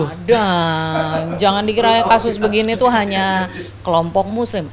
padahal jangan dikira kasus begini tuh hanya kelompok muslim